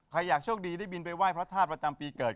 ใครอยากช่วงดีได้บินไปว่ายพระธาตุประจำปีเกิด